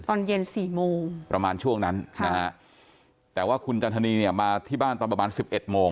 ตอนเย็น๔โมงประมาณช่วงนั้นนะฮะแต่ว่าคุณจันทนีเนี่ยมาที่บ้านตอนประมาณ๑๑โมง